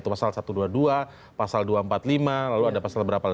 kemudian pasal pengindahan terhadap dpr dan lain sebagainya